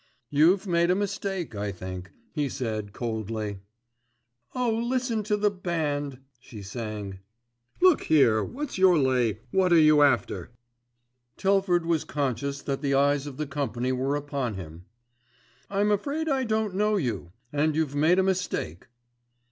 "You've made a mistake, I think," he said coldly. "Oh, listen to the band," she sang. "Look here, what's your lay, what are you after?" Telford was conscious that the eyes of the company were upon him. "I'm afraid I don't know you, and you've made a mistake."